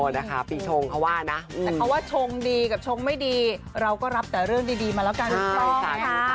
นะคะปีชงเขาว่านะแต่เขาว่าชงดีกับชงไม่ดีเราก็รับแต่เรื่องดีมาแล้วกัน